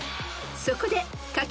［そこで］